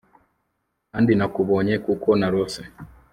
Kandi nakubonye kuko narose